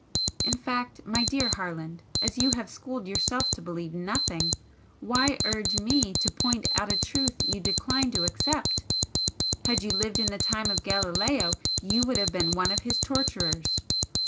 In fact, my dear Harland, as you have schooled yourself to believe NOTHING, why urge me to point out a truth you decline to accept? Had you lived in the time of Galileo you would have been one of his torturers!"